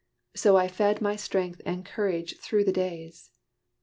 So I fed my strength and courage through the days.